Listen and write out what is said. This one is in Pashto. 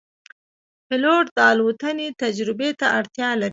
پیلوټ د الوتنې تجربې ته اړتیا لري.